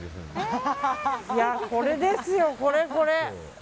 いやーこれですよ、これこれ。